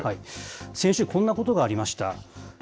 先週、こんなことがありました。